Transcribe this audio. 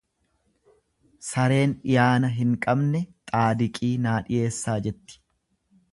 Sareen dhiyaana hin qabne, xaadiqii naa dhiyeessaa jetti.